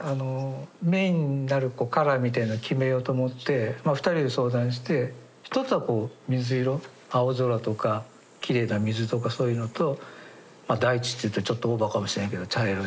メインになるカラーみたいなのを決めようと思って２人で相談して１つは水色青空とかきれいな水とかそういうのと大地って言うとちょっとオーバーかもしれんけど茶色い。